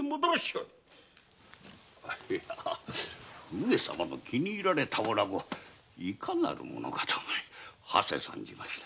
上様の気に入られた女子いかなる者かと思い馳せ参じました。